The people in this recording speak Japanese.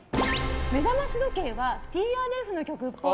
目覚まし時計はＴＲＦの曲っぽい。